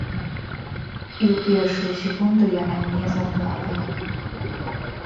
І ў першую секунду яна не заплакала.